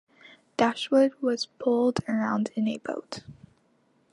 Dashwood was pulled around in a boat.